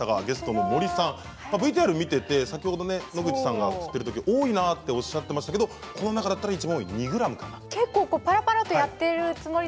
ゲストの森さんＶＴＲを見ていて野口さんが振っているとき多いなと言ってましたがこの中だったらいちばん多い２ｇ。